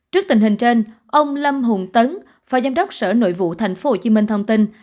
trước tình hình trên ông lâm hùng tấn phó giám đốc sở nội vụ tp hcm thông tin